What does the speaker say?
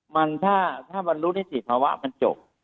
มันถ้าถ้ามันรูดได้สิภาวะมันจบ